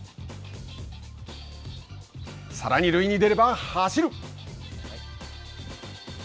さらに、塁に出れば走る。